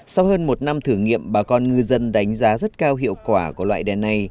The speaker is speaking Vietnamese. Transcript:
sau hơn một năm thử nghiệm bà con ngư dân đánh giá rất cao hiệu quả của loại đèn này